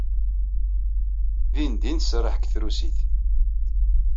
Dindin tserreḥ deg trusit.